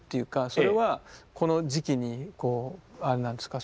それはこの時期にこうあれなんですか？